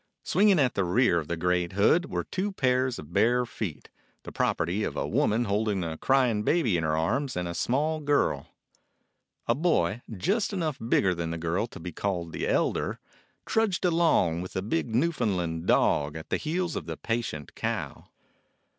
Swinging at the rear of the great hood were two pairs of bare feet, the property of a woman holding a crying baby in her arms and of a small girl. A boy, just enough bigger than the girl to be called the elder, trudged along with a big Newfoundland dog at the heels of the patient cow.